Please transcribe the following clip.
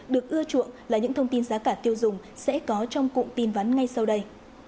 được ưa chuộng là những thông tin giá cả tiêu dùng sẽ có trong cụm tin vắn ngay sau đây